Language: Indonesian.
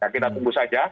kita tunggu saja